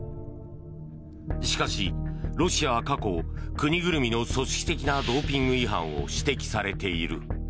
しかし、ロシアは過去国ぐるみの組織的なドーピング違反を指摘されている。